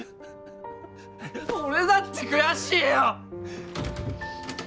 俺だって悔しいよ！